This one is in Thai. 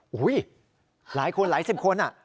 โอ้โหหลายคนหลายสิบคน